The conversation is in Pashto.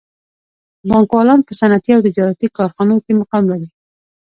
بانکوالان په صنعتي او تجارتي کارخانو کې مقام لري